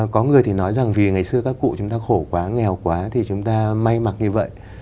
có người thì nói rằng vì ngày xưa các cụ chúng ta khổ quá nghèo quá thì chúng ta may mặc như vậy